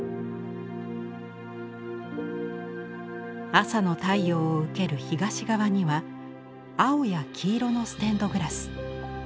朝の太陽を受ける東側には青や黄色のステンドグラス。